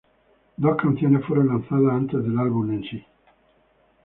Dos canciones fueron lanzadas antes del álbum en sí.